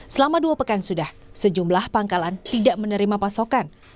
selama dua pekan sudah sejumlah pangkalan tidak menerima pasokan